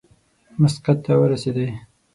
مسقط ته ورسېدی.